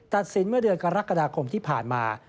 ตัดสินเมื่อเดือนกรกฎาคมที่ผ่านมา